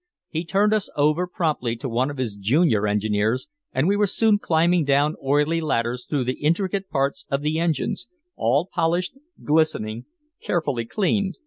He turned us over promptly to one of his junior engineers, and we were soon climbing down oily ladders through the intricate parts of the engines, all polished, glistening, carefully cleaned.